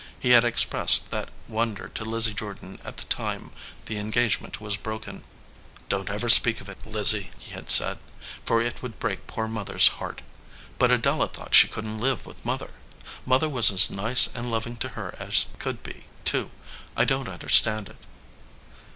He had expressed that wonder to Lizzie Jordan at the time the engagement was broken. "Don t ever speak of it, Lizzie," he had said, "for it would break poor Mother s heart, but Adela thought she couldn t live with Mother. Mother was as nice and loving to her as could be, too. I don t understand it."